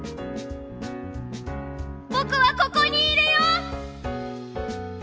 僕はここにいるよ！